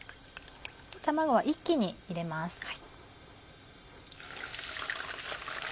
卵は一気に入れます。